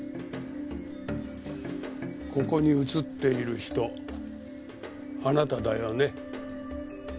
ここに写っている人あなただよね？